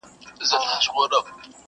خو قانون د سلطنت دی نه بدلیږي؛